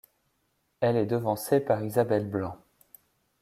Elle est devancée par Isabelle Blanc.